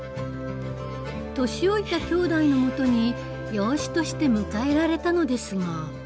年老いたきょうだいのもとに養子として迎えられたのですが。